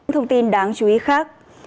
thông tin đáng chú ý khác